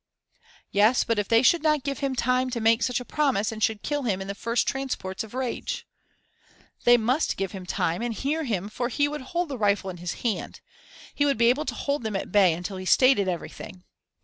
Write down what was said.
Yes, but if they should not give him time to make such a promise and should kill him in the first transports of rage? They must give him time and hear him for he would hold the rifle in his hand; he would be able to hold them at bay until he stated everything.